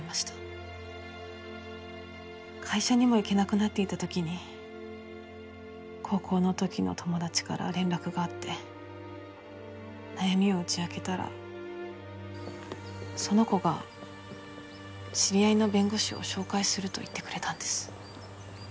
会社にも行けなくなっていた時に高校の時の友達から連絡があって悩みを打ち明けたらその子が知り合いの弁護士を紹介すると言ってくれたんです。